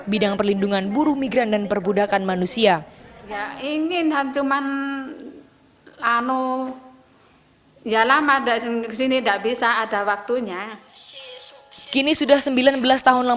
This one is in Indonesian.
bidang perlindungan buruh migran dan perbudakan manusia